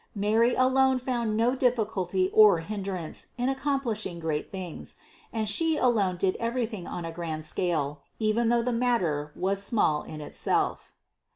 Mary alone found no difficulty or hindrance in accomplishing great things; and She alone did everything on a grand scale, even though the matter was small in itself.